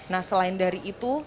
nah selain dari itu